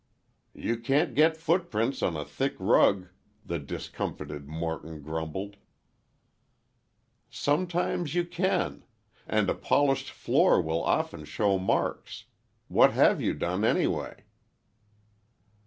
"You can't get footprints on a thick rug," the discomfited Morton grumbled. "Sometimes you can. And a polished floor will often show marks. What have you done, anyway?"